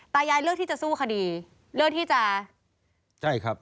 ตายายเลือกที่จะสู้คดีเลือกที่จะใช่ครับ